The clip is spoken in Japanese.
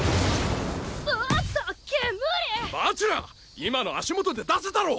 今の足元で出せたろ！